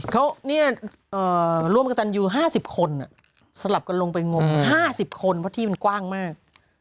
เขาเนี่ยร่วมกับตันยู๕๐คนสลับกันลงไปงม๕๐คนเพราะที่มันกว้างมาก